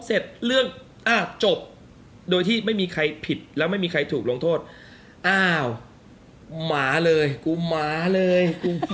เสร็จเรื่องอ่ะจบโดยที่ไม่มีใครผิดแล้วไม่มีใครถูกลงโทษอ้าวหมาเลยกูหมาเลย